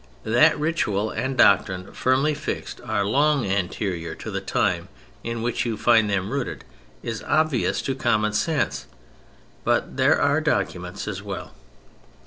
That ritual and doctrine firmly fixed are long anterior to the time in which you find them rooted is obvious to common sense. But there are documents as well.